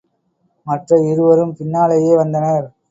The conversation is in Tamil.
மற்ற இருவரும் பின்னாலேயே வந்தனர்.